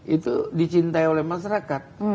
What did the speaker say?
itu dicintai oleh masyarakat